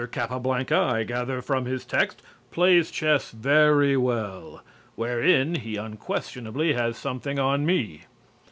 Capablanca, I gather from his text, plays chess very well. Wherein he unquestionably has something on me.